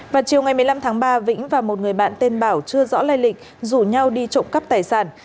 vào chiều ngày một mươi năm tháng ba vĩnh và một người bạn tên bảo chưa rõ lây lịch rủ nhau đi trộm cắp tài sản